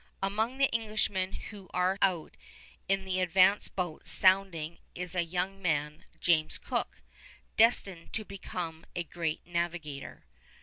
Among the Englishmen who are out in the advance boats sounding is a young man, James Cook, destined to become a great navigator.